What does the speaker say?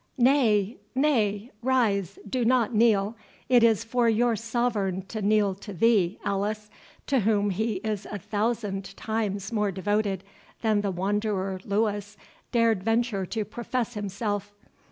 Nay, nay—rise—do not kneel—it is for your sovereign to kneel to thee, Alice, to whom he is a thousand times more devoted than the wanderer Louis dared venture to profess himself.